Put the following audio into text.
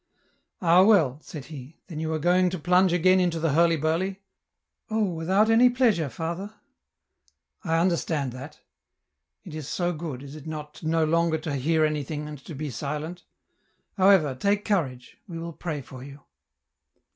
" Ah, well," said he, " then you are going to plunge again into the hurly burly ?"" Oh I without any pleasure. Father." " I understand that. It is so good, is it not, no longer to hear anything and to be silent. However, take courage ; we will pray for you."